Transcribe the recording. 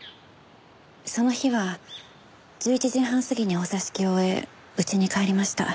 その日は１１時半すぎにお座敷を終え家に帰りました。